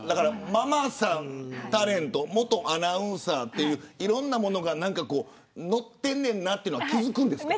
ママさんタレント元アナウンサーという、いろんなものが乗っているというのは気付きますか。